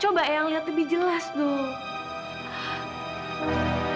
coba eyang lihat lebih jelas dulu